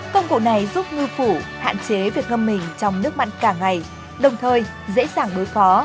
công cụ này giúp ngư phủ hạn chế việc ngâm mình trong nước mặn cả ngày đồng thời dễ dàng đối phó